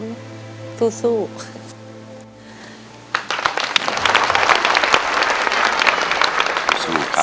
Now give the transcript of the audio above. จะใช้หรือไม่ใช้ครับ